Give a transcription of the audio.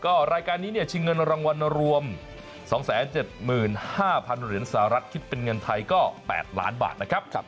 ก็รายการนี้เนี่ยชิงเงินรางวัลรวม๒๗๕๐๐๐เหรียญสหรัฐคิดเป็นเงินไทยก็๘ล้านบาทนะครับ